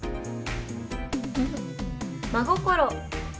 「真心」。